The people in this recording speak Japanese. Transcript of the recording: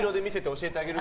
教えてあげる。